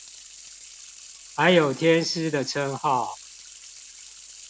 還有天師的稱號